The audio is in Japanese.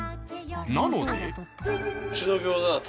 なので。